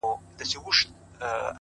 د جهنم منځ کي د اوسپني زنځیر ویده دی،